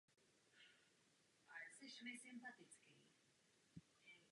Předpokládáte, že lidé jsou tu k tomu, aby sloužili hospodářství.